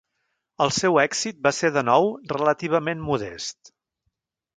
El seu èxit va ser de nou relativament modest.